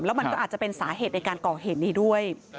แล้วมันก็อาจจะเป็นสาเหตุในการก่อเหตุนี้ด้วย